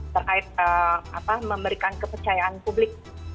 terkait memberikan kepercayaan publik